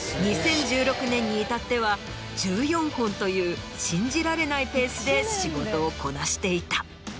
２０１６年に至っては１４本という信じられないペースで仕事をこなしていた。